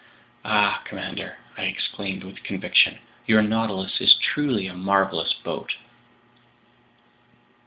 "Ah, commander," I exclaimed with conviction, "your Nautilus is truly a marvelous boat!"